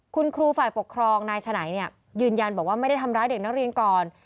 คุณครูฝ่ายปกครองนายฉะไหนเนี่ยยืนยันบอกว่าไม่ได้ทำร้ายเด็กนักเรียนก่อน